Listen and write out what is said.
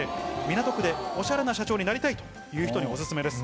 港区でおしゃれな社長になりたいという人にお薦めです。